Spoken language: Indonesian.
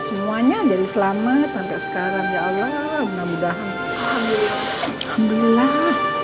semuanya jadi selamat sampai sekarang ya allah mudah mudahan alhamdulillah